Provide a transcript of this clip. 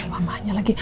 makasih mamanya lagi